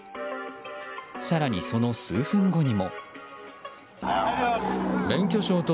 更に、その数分後にも。